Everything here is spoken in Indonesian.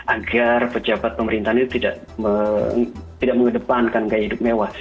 agar pejabat pemerintahan itu tidak mengedepankan gaya hidup mewah